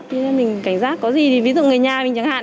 vì thế mình cảnh giác có gì ví dụ người nhà mình chẳng hạn